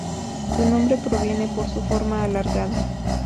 Su nombre proviene por su forma alargada.